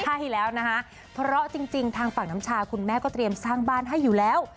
ใช่แล้วนะคะเพราะจริงทางฝั่งน้ำชาคุณแม่ก็เตรียมสร้างบ้านให้อยู่แล้ว